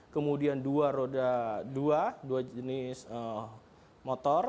kemudian dua roda dua dua jenis motor